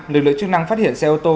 lực lượng chức năng phát hiện xe ô tô